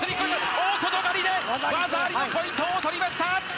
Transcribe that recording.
大外刈りで技ありのポイントを取りました。